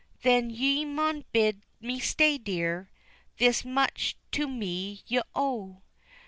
Then ye maun bid me stay, dear, This much to me ye owe.